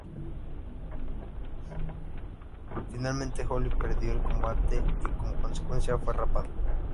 Finalmente Holly perdió el combate y como consecuencia fue rapada.